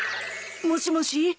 もしもし。